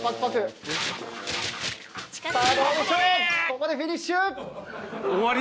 ここでフィニッシュ！